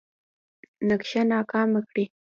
نقشه ناکامه کړي.